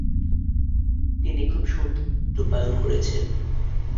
তিনি খুব সুন্দর ভাবে রূপায়ন করেছেন।